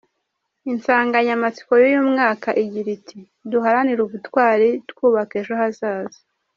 Insanganyamatsiko y’uyu mwaka igira iti ‘‘Duharanire ubutwari twubaka ejo hazaza.